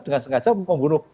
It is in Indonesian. dengan sengaja membunuh